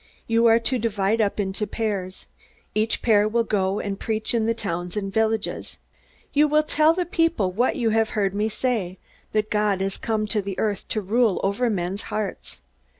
You are to divide up into pairs. Each pair will go and preach in the towns and villages. You will tell the people what you have heard me say that God has come to the earth to rule over men's hearts.